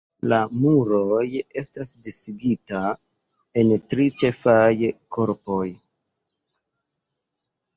La muroj estas disigita en tri ĉefaj korpoj.